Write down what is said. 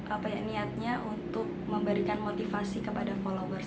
apa ya niatnya untuk memberikan motivasi kepada followers